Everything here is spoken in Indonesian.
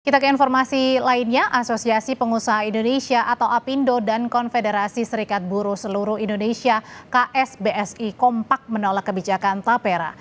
kita ke informasi lainnya asosiasi pengusaha indonesia atau apindo dan konfederasi serikat buruh seluruh indonesia ksbsi kompak menolak kebijakan tapera